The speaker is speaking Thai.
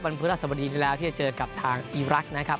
วันพฤษฐศาสตรีนี้แล้วที่จะเจอกับทางอีลักษณ์นะครับ